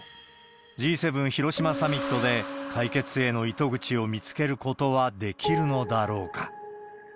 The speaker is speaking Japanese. Ｇ７広島サミットで、解決への糸口を見つけることはできるのだろうか。